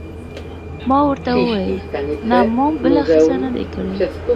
ما ورته وویل: نه، ما بله ښځه نه ده کړې.